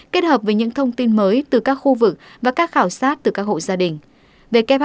kết hợp với những thông tin mới từ các khu vực và các khảo sát từ các hộ gia đình